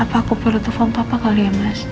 apa aku perlu telfon papa kali ya mas